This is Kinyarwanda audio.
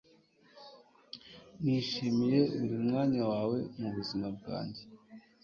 Nishimiye buri mwanya wawe mubuzima bwanjye